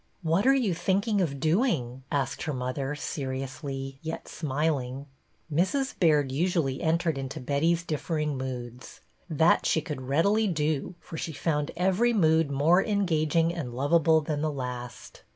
'' What are you thinking of doing? " asked her mother, seriously, yet smiling. Mrs. Baird usu ally entered into Betty's differing moods ; that she could readily do, for she found every mood more engaging and lovable than the last.